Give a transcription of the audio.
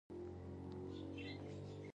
د احمدشاهبابا مزار د کندهار په ښار کی دی